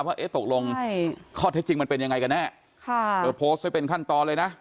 ว่าเอ๊ะตกลงข้อเท็จจริงมันเป็นยังไงกันแน่ค่ะเธอโพสต์ไว้เป็นขั้นตอนเลยนะ